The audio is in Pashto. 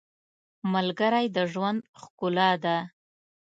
• ملګری د ژوند ښکلا ده.